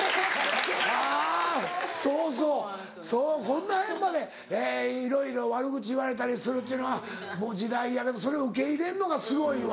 あそうそうそうこの辺までいろいろ悪口言われたりするっていうのはもう時代やけどそれを受け入れんのがすごいわ。